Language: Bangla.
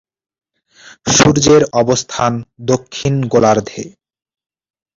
সূর্যের অবস্থান দক্ষিণ গোলার্ধে।